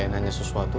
gue boleh nanya sesuatu